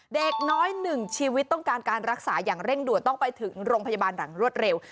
เด็กน้อยหนึ่งชีวิตต้องการการรักษาอย่างเร่งด่วนต้องไปถึงโรงพยาบาลหลังรวดเร็ว